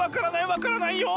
分からないよ！